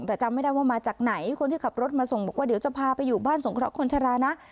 แต่จำไม่ได้ว่ามาจากไหนคนที่ขับรถมาส่งบอกว่าเดี๋ยวจะพาไปอยู่บ้านสงเคราะห์คนชะลานะ